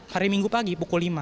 hari minggu pagi pukul lima